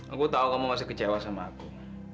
aku tahu kamu masih kecewa sama aku